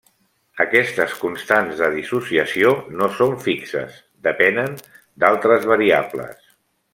Aquestes constants de dissociació no són fixes, depenen d'altres variables.